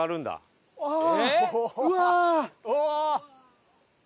うわ！